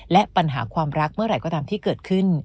และปัญหาความรักเมื่อไหร่ก็ตามที่เกิดขึ้น